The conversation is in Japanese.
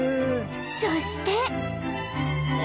そして